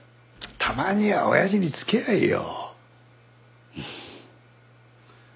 たまにはおやじに付き合えよ。